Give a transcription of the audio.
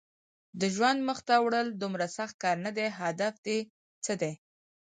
د ژوند مخته وړل دومره سخت کار نه دی، هدف دې څه دی؟